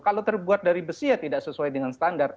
kalau terbuat dari besi ya tidak sesuai dengan standar